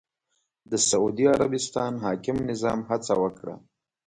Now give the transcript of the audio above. د سعودي عربستان حاکم نظام هڅه وکړه